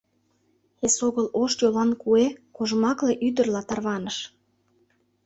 Эсогыл ош йолан куэ кожмакле ӱдырла тарваныш.